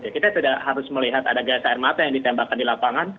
kita tidak harus melihat ada gas air mata yang ditembakkan di lapangan